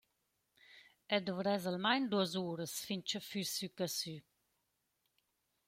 Eu dovress almain duos uras fin cha füss sü casü.